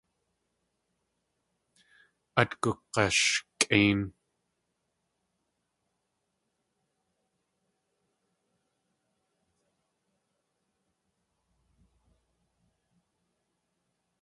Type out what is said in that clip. Át gug̲ashkʼéin.